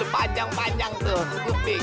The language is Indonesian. panjang panjang tuh kuping